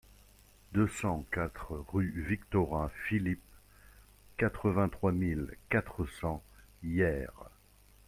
deux cent quatre rue Victorin Philip, quatre-vingt-trois mille quatre cents Hyères